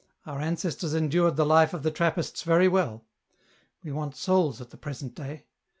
Our ancestors endured the life of the Trappists very well. We want souls at the present day.